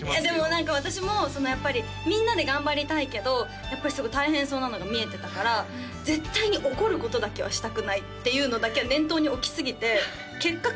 何か私もやっぱりみんなで頑張りたいけどやっぱりすごく大変そうなのが見えてたから絶対に怒ることだけはしたくないっていうのだけは念頭に置きすぎて結果